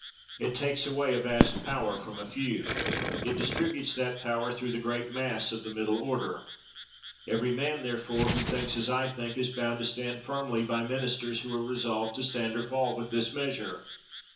It takes away a vast power from a few. It distributes that power through the great mass of the middle order. Every man, therefore, who thinks as I think, is bound to stand firmly by ministers who are resolved to stand or fall with this measure.